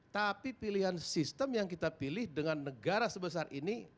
tapi pilihan sistem yang kita pilih dengan negara sebesar ini